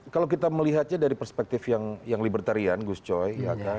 kalau kita melihatnya dari perspektif yang libertarian gus coy